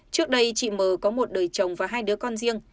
trước đây chị m có một đời chồng và hai đứa con riêng